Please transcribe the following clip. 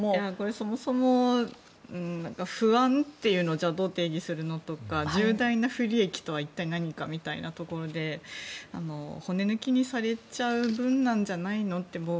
そもそも不安というのをどう定義するのとか重大な不利益とは一体何かみたいなところで骨抜きにされちゃう分じゃないのって。